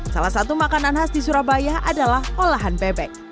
salah satu makanan khas di surabaya adalah olahan bebek